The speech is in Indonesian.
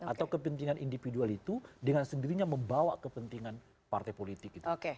atau kepentingan individual itu dengan sendirinya membawa kepentingan partai politik